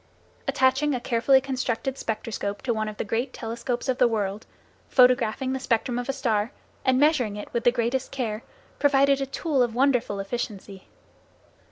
Attaching a carefully constructed spectroscope to one of the great telescopes of the world, photographing the spectrum of a star, and measuring it with the greatest care, provided a tool of wonderful efficiency.